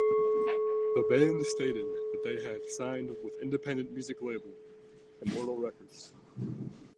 The band stated that they had signed with independent music label, Immortal Records.